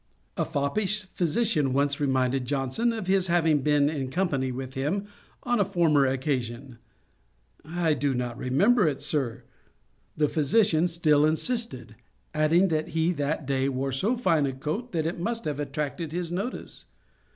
A foppish physician once reminded Johnson of his having been in company with him on a former occasion; 'I do not remember it, Sir.' The physician still insisted; adding that he that day wore so fine a coat that it must have attracted his notice.